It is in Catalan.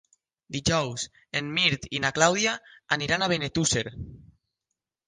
Dijous en Mirt i na Clàudia aniran a Benetússer.